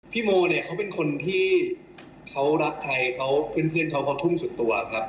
โมเนี่ยเขาเป็นคนที่เขารักใครเขาเพื่อนเขาก็ทุ่มสุดตัวครับ